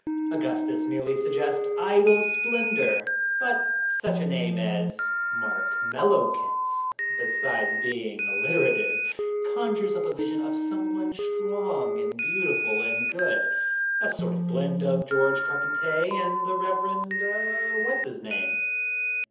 Augustus merely suggests idle splendour, but such a name as Mark Mellowkent, besides being alliterative, conjures up a vision of some one strong and beautiful and good, a sort of blend of Georges Carpentier and the Reverend What's his name."